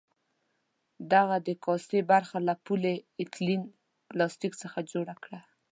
د هغه د کاسې برخه له پولي ایتلین پلاستیک څخه جوړه کړه.